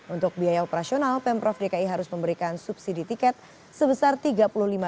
untuk biaya operasional pemprov dki harus memberikan subsidi tiket sebesar tiga puluh lima enam ratus lima puluh lima rupiah per penumpang